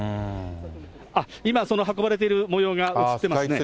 あっ、今、その運ばれているもようが映ってますね。